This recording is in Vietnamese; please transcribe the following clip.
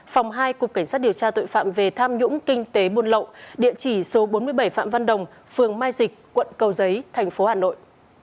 phòng hai cục cảnh sát điều tra tội phạm về tham nhũng kinh tế buôn lậu địa chỉ số bốn mươi bảy phạm văn đồng phường mai dịch quận cầu giấy thành phố hà nội